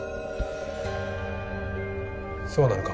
そうなのか？